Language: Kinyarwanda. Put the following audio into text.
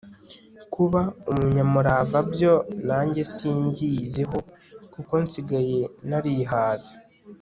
kuba umunyamurava byo, nanjye simbyiyiziho, kuko nsigaye narihaze